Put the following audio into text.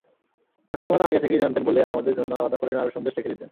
কাকিমারা আগে থেকেই জানতেন বলে আমাদের জন্য আলাদা করে নাড়ু-সন্দেশ রেখে দিতেন।